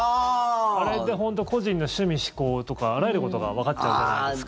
あれで本当、個人の趣味嗜好とかあらゆることがわかっちゃうじゃないですか。